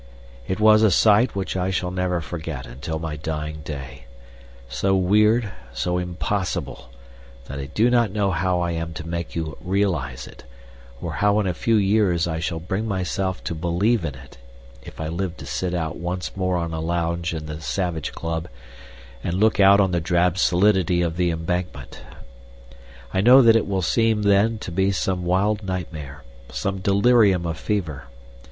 It was a sight which I shall never forget until my dying day so weird, so impossible, that I do not know how I am to make you realize it, or how in a few years I shall bring myself to believe in it if I live to sit once more on a lounge in the Savage Club and look out on the drab solidity of the Embankment. I know that it will seem then to be some wild nightmare, some delirium of fever.